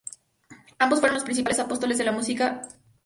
Ambos fueron los principales apóstoles de la música wagneriana en Italia.